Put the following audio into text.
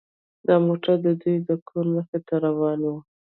دا موټر د دوی د کور مخې ته روان و